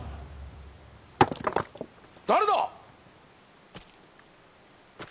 ・誰だ！